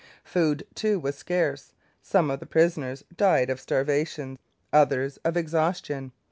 Food, too, was scarce. Some of the prisoners died of starvation; others of exhaustion.